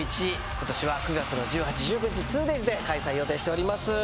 今年は９月の１８・１９日２ＤＡＹＳで開催予定しております。